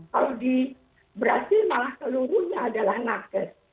kalau di brazil malah seluruhnya adalah nakes